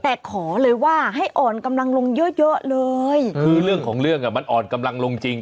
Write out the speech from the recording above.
แต่ขอเลยว่าให้อ่อนกำลังลงเยอะเยอะเลยคือเรื่องของเรื่องอ่ะมันอ่อนกำลังลงจริง